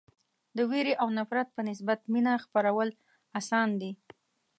د وېرې او نفرت په نسبت مینه خپرول اسان دي.